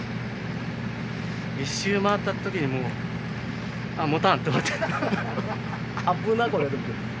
１周回ったときにもう、あっ、もたんって思って。